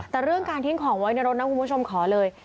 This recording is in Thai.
แต่เรื่องการทิ้งของไว้ในรถนะคุณผู้ชมขอเลย